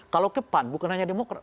kalau ke pan bukan hanya demokrat